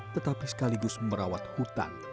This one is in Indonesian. tetapi sekaligus merawat hutan